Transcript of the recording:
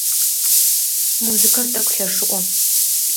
Музыкэр тӏэкӏу лъэшыӏо.